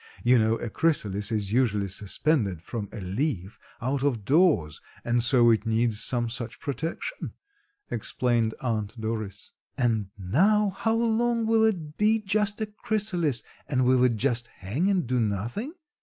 You know a chrysalis is usually suspended from a leaf out of doors, and so it needs some such protection," explained Aunt Doris. "And now how long will this be just a chrysalis and will it just hang and do nothing?"